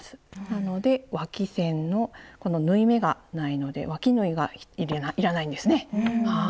なのでわき線のこの縫い目がないのでわき縫いがいらないんですね。